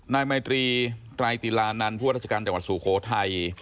นายไมตรีไตรติลานันต์ผู้ราชการจังหวัดสุโขทัย